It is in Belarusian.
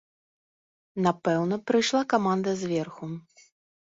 Напэўна, прыйшла каманда зверху.